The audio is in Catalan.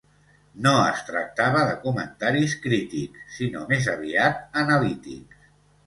No es tractava de comentaris crítics, sinó més aviat analítics.